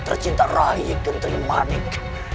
tercinta rai gentering manik